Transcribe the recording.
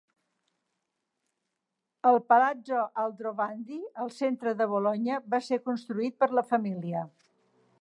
El Palazzo Aldrovandi, al centre de Bologna, va ser construït per la família.